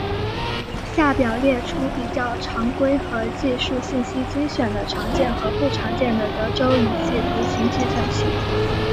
下表列出比较常规和技术信息精选的常见和不常见的德州仪器图形计算器。